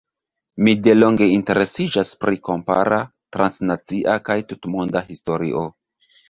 Mi delonge interesiĝas pri kompara, transnacia kaj tutmonda historio.